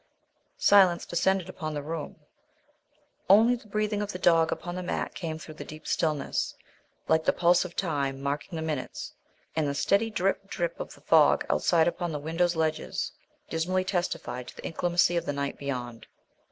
Silence descended upon the room. Only the breathing of the dog upon the mat came through the deep stillness, like the pulse of time marking the minutes; and the steady drip, drip of the fog outside upon the window ledges dismally testified to the inclemency of the night beyond.